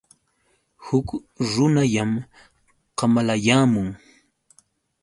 Huk runallam kamalayaamun.